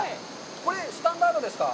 これ、スタンダードですか？